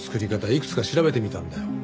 いくつか調べてみたんだよ。